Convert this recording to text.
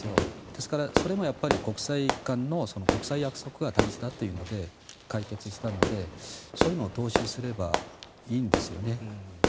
ですから、それも国際間の国際約束が大事だというので解決したのでそういうのを踏襲すればいいんですよね。